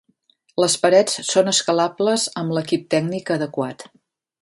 Les parets són escalables amb l'equip tècnic adequat.